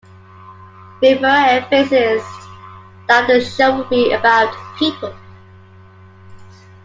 Rivera emphasized that the show would be about people.